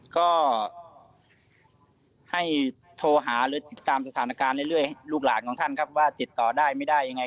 ก็ให้โทรหาหรือติดตามสถานการณ์เรื่อยลูกหลานของท่านครับว่าติดต่อได้ไม่ได้ยังไง